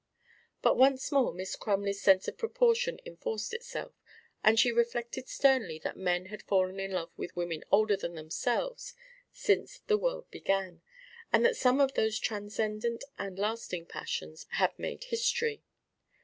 But once more Miss Crumley's sense of proportion enforced itself, and she reflected sternly that men had fallen in love with women older than themselves since the world began, and that some of those transcendent and lasting passions had made history.